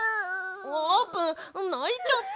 あーぷんないちゃった。